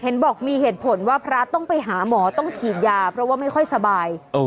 บอกมีเหตุผลว่าพระต้องไปหาหมอต้องฉีดยาเพราะว่าไม่ค่อยสบาย